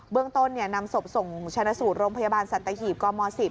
เรื่องต้นนำศพส่งชนะสูตรโรงพยาบาลสัตหีบกม๑๐